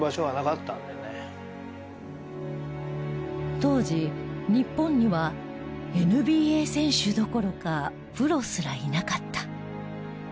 当時日本にはＮＢＡ選手どころかプロすらいなかった。